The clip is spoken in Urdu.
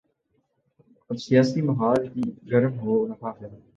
اب سیاسی محاذ بھی گرم ہو رہا ہے۔